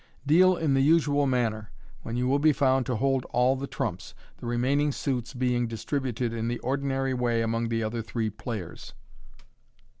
Deal in the usual manner, when you will be found to hold all the trumps, the remaining suits being distributed in the ordinary way among the other three players.